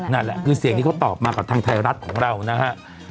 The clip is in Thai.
นั่นแหละคือเสียงที่เขาตอบมากับทางไทยรัฐของเรานะฮะ